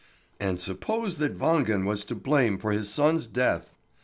And suppose that Wangen was to blame for his son's death?